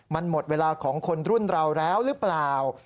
มันหมดเวลาของคนรุ่นเราแล้วหรือเปล่า